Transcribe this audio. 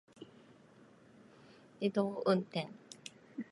自動運転